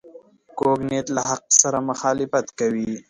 کوږ نیت له حق سره مخالفت کوي